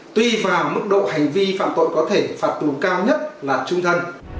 tuy vào mức độ hành vi phạm tội có thể phạt tù cao nhất là trung thân